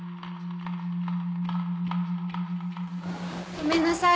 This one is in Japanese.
ごめんなさい。